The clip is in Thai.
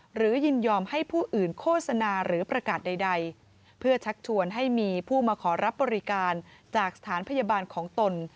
ยินยอมให้ผู้อื่นโฆษณาหรือประกาศใดเพื่อชักชวนให้มีผู้มาขอรับบริการจากสถานพยาบาลของตน